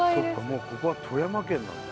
もうここは富山県なんだ。